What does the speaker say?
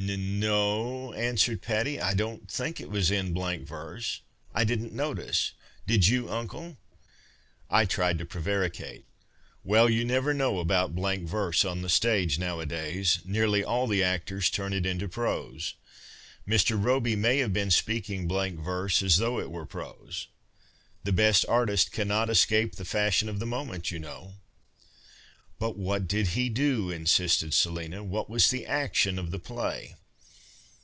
" N no," answered Patty, " I don't think it was in blank verse. I didn't notice ; did you. Uncle ?" I tried to prevaricate. " Well, you never know about Ijlank verse on the stage nowadays, nearly all 212 AGAIN AT MARTELLO TOWER the actors turn it into prose. Mr. Robey may have been speaking blank verse, as though it were prose. The best artists cannot escape the fashion of the moment, you know." " But what did he do ?" insisted Selina, " What was the action of the play